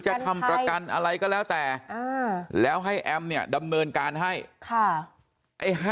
จะทำประกันอะไรก็แล้วแต่แล้วให้แอมเนี่ยดำเนินการให้